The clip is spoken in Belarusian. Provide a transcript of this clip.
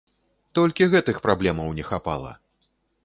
Толькі гэтых праблемаў не хапала.